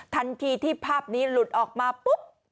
ทันทีที่ภาพนี้หลุดออกมาปุ๊บ